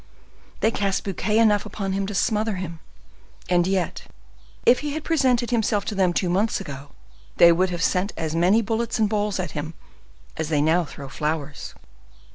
They cast bouquets enough upon him to smother him; and yet, if he had presented himself to them two months ago, they would have sent as many bullets and balls at him as they now throw flowers.